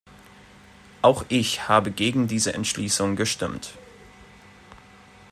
Auch ich habe gegen diese Entschließung gestimmt.